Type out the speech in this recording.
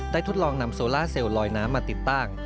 ทดลองนำโซล่าเซลล์ลอยน้ำมาติดตั้ง